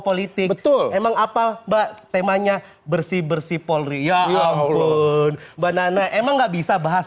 politik betul emang apa mbak temanya bersih bersih polri ya ampun mbak nana emang nggak bisa bahas